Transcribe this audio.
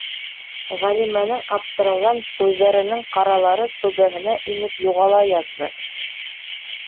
- Ғәлимәнең аптырауҙан күҙҙәренең ҡаралары түбәһенә инеп юғала яҙҙы.